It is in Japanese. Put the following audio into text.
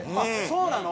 そうなの？